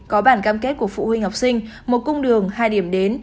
có bản cam kết của phụ huynh học sinh một cung đường hai điểm đến